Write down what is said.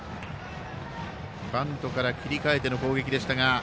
バントから切り替えての攻撃でしたが。